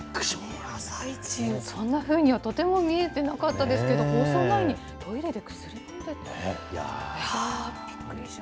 あさイチ、そんなふうにはとても見えてなかったですけど、放送前にトイレで薬飲んでって。